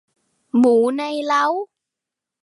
หมูในเล้า